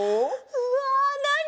うわなに？